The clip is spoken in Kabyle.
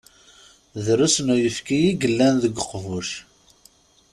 Drusn uyefki i yellan deg uqbuc.